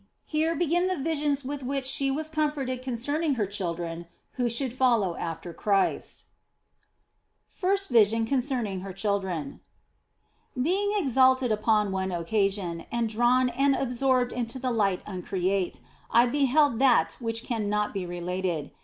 HERE BEGIN THE VISIONS WITH WHICH SHE WAS COMFORTED CONCERNING HER CHILDREN WHO SHOULD FOLLOW AFTER CHRIST FIRST VISION CONCERNING HER CHILDREN BEING exalted upon one occasion, and drawn and absorbed into the Light uncreate, I beheld that which cannot be related.